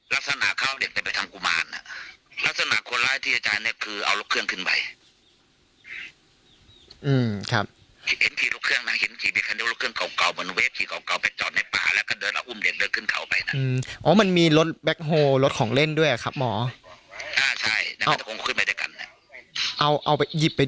ลักษณะคนร้ายที่ใช้เนี่ยคือเอารถเครื่องขึ้นไป